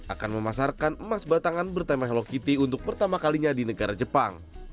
akan memasarkan emas batangan bertema hello kitty untuk pertama kalinya di negara jepang